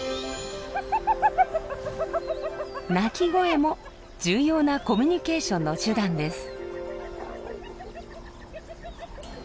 鳴き声も重要なコミュニケーションの手段です。